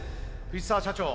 藤澤社長